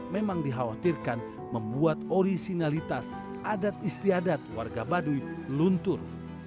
memang dikhawatirkan membuat originalitas adat istiadat warga baduy luntur